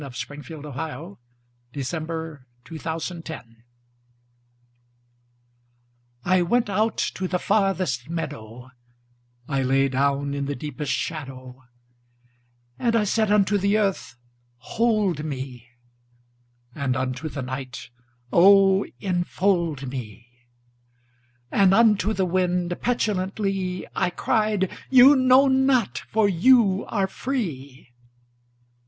Oscar Wilde [1856 1900] "LOVE IS A TERRIBLE THING" I went out to the farthest meadow, I lay down in the deepest shadow; And I said unto the earth, "Hold me," And unto the night, "O enfold me!" And unto the wind petulantly I cried, "You know not for you are free!"